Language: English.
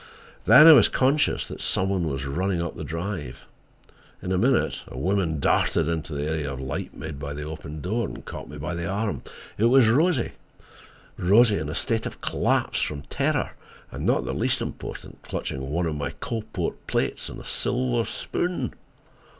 Then I was conscious that some one was running up the drive. In a minute a woman darted into the area of light made by the open door, and caught me by the arm. It was Rosie—Rosie in a state of collapse from terror, and, not the least important, clutching one of my Coalport plates and a silver spoon.